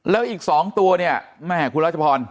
แล้วอีก๒ตัวเนี่ยแม่คุณรัชพร